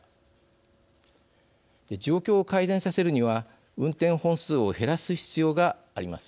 状況を改善させるには運転本数を減らす必要があります。